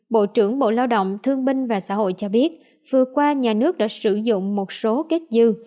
bộ trưởng bộ lao động thương binh và xã hội cho biết vừa qua nhà nước đã sử dụng một số kết dư